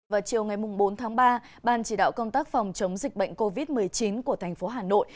vào chiều ngày bốn tháng ba ban chỉ đạo công tác phòng chống dịch bệnh covid một mươi chín của thành phố hà nội